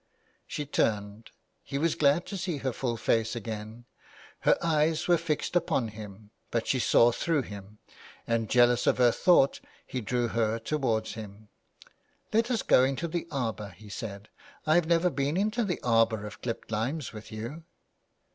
She turned ; he was glad to see her full face again. Her eyes were fixed upon him, but she saw through him, and jealous of her thought he drew her towards him. " Let us go into the arbour,'' he said. '^ I have never been into the arbour of clipped limes with you."